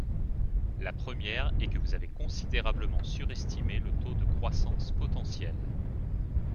La première est que vous avez considérablement surestimé le taux de croissance potentielle.